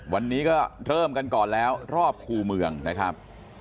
วันนี้ก็เริ่มกันก่อนแล้วรอบคู่เมืองนะครับ